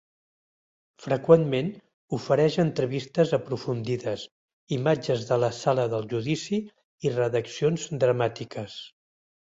Freqüentment, ofereix entrevistes aprofundides, imatges de la sala del judici i redaccions dramàtiques.